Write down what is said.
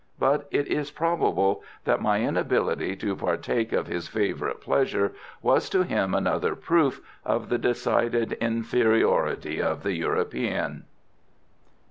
But it is probable that my inability to partake of his favourite pleasure was to him another proof of the decided inferiority of the European.